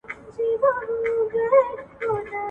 جهاد د ایمان د بشپړېدو سبب ګرځي.